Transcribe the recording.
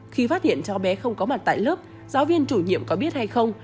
khi phát hiện cháu bé không có mặt tại lớp giáo viên chủ nhiệm có biết hay không